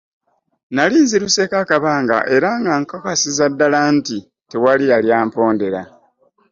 Nali nziruseeko akabanga era nga nkakasizza nti ddala tewali yali ampondera.